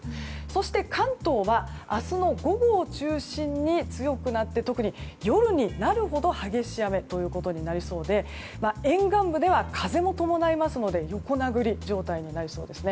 そして関東は明日の午後を中心に強くなって、特に夜になるほど激しい雨となりそうで沿岸部では風も伴いますので横殴り状態になりそうです。